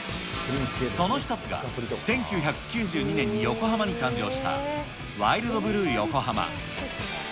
その一つが、１９９２年に横浜に誕生した、ワイルドブルーヨコハマ。